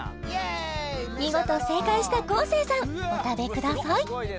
見事正解した昴生さんお食べください